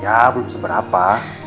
ya belum seberapa